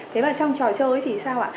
thế mà trong trò chơi thì sao ạ